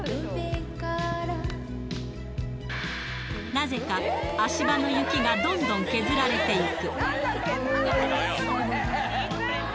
なぜか、足場の雪がどんどん削られていく。